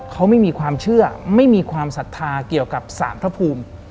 เขาไม่มีความเชื่อไม่มีความศรัทธาเกี่ยวกับสารพระภูมิ